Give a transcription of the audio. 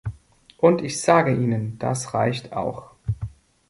Und ich sage Ihnen, das reicht auch.